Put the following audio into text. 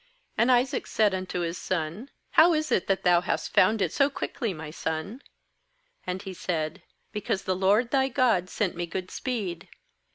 20And Isaac said unto Ms son: 'How is it that thou hast found it so quickly, my son?' And he said: 'Because the LORD thy God sent me good speed.'